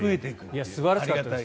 素晴らしかったです。